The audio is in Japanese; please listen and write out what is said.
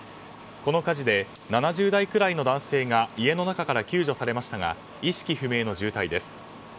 この火事で７０代くらいの男性が家の中から救助されましたが意識不明の重体です。